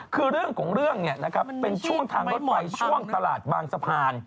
คือเรื่องของเรื่องเนี่ยเป็นช่วงทางรถไฟ